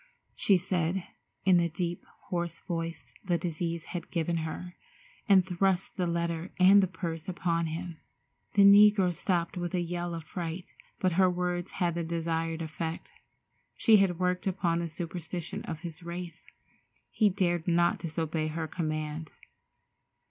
she said, in the deep, hoarse voice the disease had given her, and thrust the letter and the purse upon him. The negro stopped with a yell of fright, but her words had the desired effect. She had worked upon the superstition of his race. He dared not disobey her command.